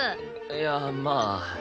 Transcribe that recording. いやまあ。